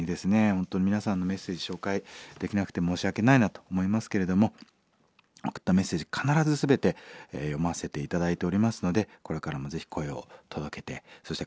本当に皆さんのメッセージ紹介できなくて申し訳ないなと思いますけれども送ったメッセージ必ず全て読ませて頂いておりますのでこれからもぜひ声を届けてそして